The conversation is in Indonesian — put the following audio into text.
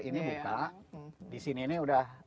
ini bita disini ini sudah